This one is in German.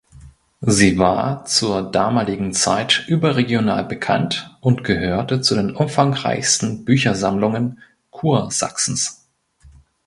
Sie war zur damaligen Zeit überregional bekannt und gehörte zu den umfangreichsten Büchersammlungen Kursachsens.